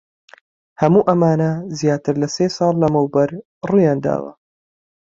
هەموو ئەمانە زیاتر لە سێ ساڵ لەمەوبەر ڕوویان داوە.